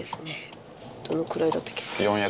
どのくらいだったっけ？